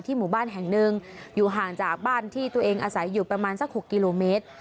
หมู่บ้านแห่งหนึ่งอยู่ห่างจากบ้านที่ตัวเองอาศัยอยู่ประมาณสัก๖กิโลเมตร